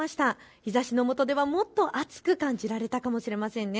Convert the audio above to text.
日ざしのもとではもっと暑く感じられたかもしれませんね。